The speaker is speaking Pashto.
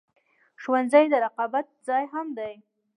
ښوونځی د رقابت ځای هم دی